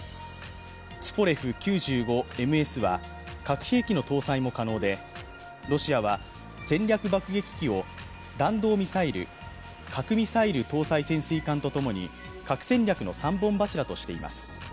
ツポレフ９５ＭＳは核兵器の搭載も可能で、ロシアは戦略爆撃機を弾道ミサイル、核ミサイル搭載潜水艦とともに核戦略の３本柱としています。